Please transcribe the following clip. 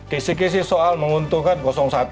kisih kisih soal menguntungkan satu